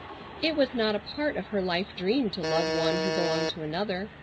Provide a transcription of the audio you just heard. It was not a part of her life dream to love one who belonged to another.